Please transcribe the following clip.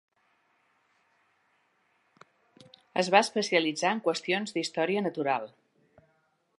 Es va especialitzar en qüestions d'història natural.